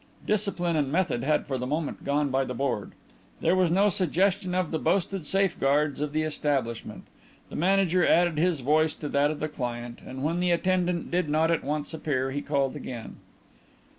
Discipline and method had for the moment gone by the board. There was no suggestion of the boasted safeguards of the establishment. The manager added his voice to that of the client, and when the attendant did not at once appear he called again.